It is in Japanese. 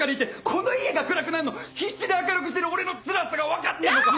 この家が暗くなるの必死で明るくしてる俺のつらさが分かってんのか！